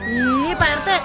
ih pak rete